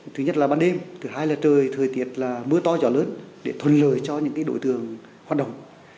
thứ nhất là ban đêm thứ hai là trời thời tiết là mưa to gió lớn để thuận lợi cho những đối tượng hoạt động